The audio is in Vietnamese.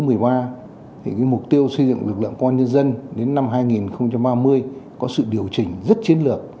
thì mục tiêu xây dựng lực lượng công an nhân dân đến năm hai nghìn ba mươi có sự điều chỉnh rất chiến lược